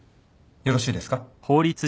よろしいですか？